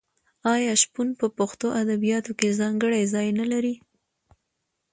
آیا شپون په پښتو ادبیاتو کې ځانګړی ځای نلري؟